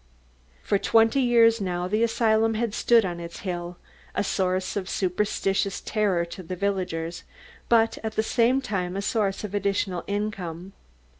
For twenty years now, the asylum had stood on its hill, a source of superstitious terror to the villagers, but at the same time a source of added income.